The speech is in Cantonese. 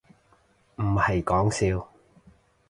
唔係講笑